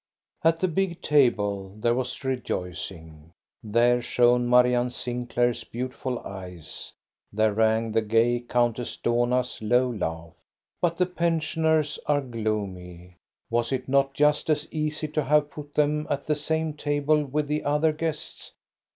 At the big table there was rejoicing : there shone Marianne Sinclair's beautiful eyes; there rang the gay Countess Dohna's low laugh. But the pensioners are gloomy. Was it not just as easy to have put them at the same table with the other guests.